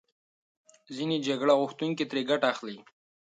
ځینې جګړه غوښتونکي ترې ګټه اخلي.